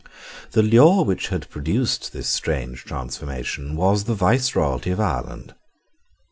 The lure which had produced this strange transformation was the Viceroyalty of Ireland.